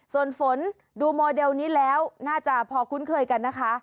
ส่วนฝนดูโมเดลนี้แล้วน่าจะพอคุ้นเคยกันนะคะ